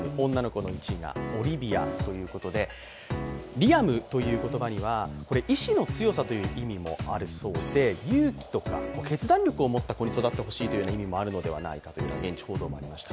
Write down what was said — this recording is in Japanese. リアムという言葉には意思の強さという意味もあるそうで、勇気とか決断力を持った子に育ってほしいという意味もあるのではないかという現地報道もありました。